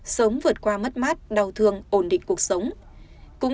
sớm vượt qua mất mát đau thương ổn định cuộc sống